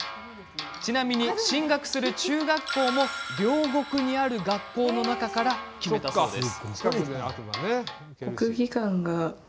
ちなみに進学する中学校も両国にある学校の中から決めたそうです。